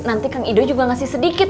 nanti kang ido juga ngasih sedikit